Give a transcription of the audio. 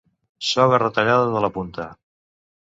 Soga retallada de la punta.